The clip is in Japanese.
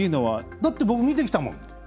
だって僕、見てきたもん。